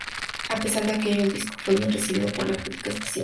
A pesar de aquello, el disco fue bien recibido por la crítica especializada.